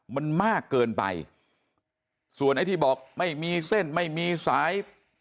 มันมากเกินไปส่วนไอ้ที่บอกไม่มีเส้นไม่มีสาย